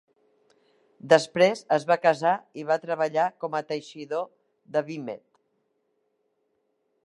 Després, es va casar i va treballar com a teixidor de vímet.